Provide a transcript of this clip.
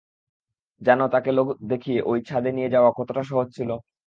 জানো তাকে লোভ দেখিয়ে ওই ছাদে নিয়ে যাওয়া কতোটা সহজ ছিল?